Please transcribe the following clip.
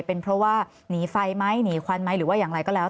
เป็นเพราะว่าหนีไฟไหมหนีควันไหมหรือว่าอย่างไรก็แล้ว